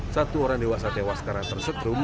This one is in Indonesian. satu orang dewasa tewas karena tersetrum